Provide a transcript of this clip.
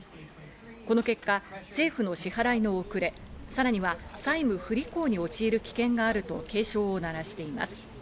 この結果、政府の支払いの遅れ、さらには債務不履行に陥る危険があると警鐘を鳴らしています。